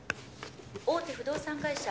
大手不動産会社